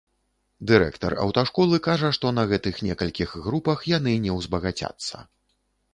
Дырэктар аўташколы кажа, што на гэтых некалькіх групах яны не ўзбагацяцца.